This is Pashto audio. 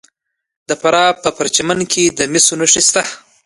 د فراه په پرچمن کې د مسو نښې شته.